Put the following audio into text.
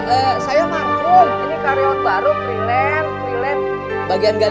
eh lu udah nangis